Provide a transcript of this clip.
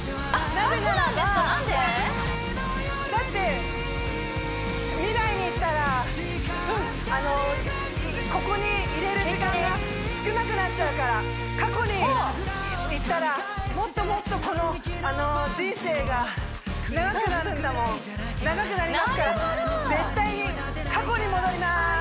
なぜならばだって未来に行ったらここにいれる時間が少なくなっちゃうから過去に行ったらもっともっとこの人生が長くなるんだもん長くなりますから絶対に過去に戻ります